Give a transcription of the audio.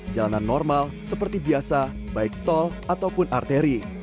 jalanan normal seperti biasa baik tol ataupun arteri